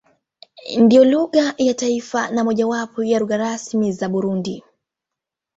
Ndiyo lugha ya taifa na mojawapo ya lugha rasmi za Burundi.